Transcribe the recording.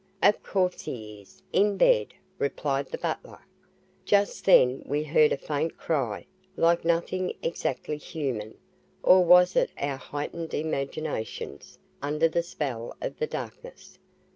"Of course he is in bed," replied the butler. Just then we heard a faint cry, like nothing exactly human. Or was it our heightened imaginations, under the spell of the darkness?